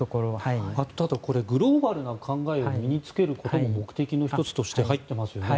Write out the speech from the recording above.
ただ、これグローバルな考えを身につけることを目的の１つとして入ってますよね。